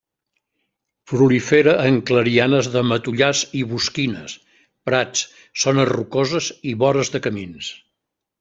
Prolifera en clarianes de matollars i bosquines, prats, zones rocoses i vores de camins.